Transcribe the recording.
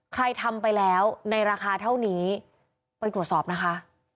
ทำไปแล้วในราคาเท่านี้ไปตรวจสอบนะคะ